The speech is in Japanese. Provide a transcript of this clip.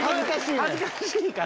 恥ずかしいから。